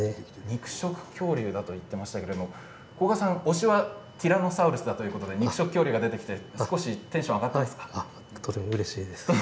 肉食恐竜だと言っていましたが古閑さん推しはティラノサウルスということで肉食恐竜が出てきてテンションが上がりましたか。